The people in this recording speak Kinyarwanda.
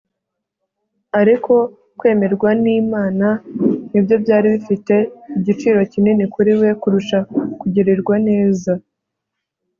ariko kwemerwa n'imana ni byo byari bifite igiciro kinini kuri we kurusha kugirirwa neza